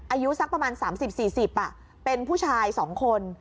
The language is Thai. อายุสักประมาณสามสิบสี่สิบอ่ะเป็นผู้ชายสองคน